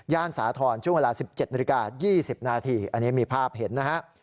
สาธรณ์ช่วงเวลา๑๗นาฬิกา๒๐นาทีอันนี้มีภาพเห็นนะฮะ